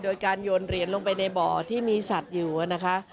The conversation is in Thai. โดยการโยนเหรียญลงไปในบ่อที่มีสัตว์อยู่นะคะ